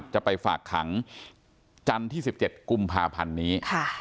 จะไปฝากขังจันทร์ที่๑๗กุมภาพันธ์นี้